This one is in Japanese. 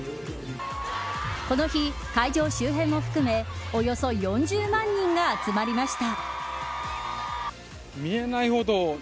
この日、会場周辺も含めおよそ４０万人が集まりました。